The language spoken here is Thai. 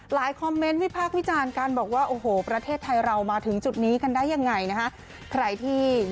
คอมเมนต์วิพากษ์วิจารณ์กันบอกว่าโอ้โหประเทศไทยเรามาถึงจุดนี้กันได้ยังไงนะฮะ